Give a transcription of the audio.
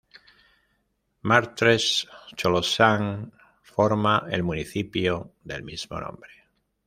Martres-Tolosane forma el municipio del mismo nombre.